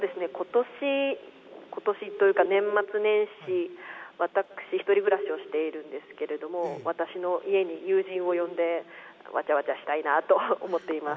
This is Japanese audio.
今年というか、年末年始、私ひとり暮らしをしているんですけれども、私の家に友人を呼んでわちゃわちゃしたいなと思っております。